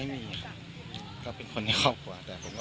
มีคนห้ามมัน